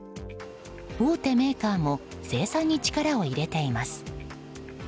大手メーカーも生産に力を入れています。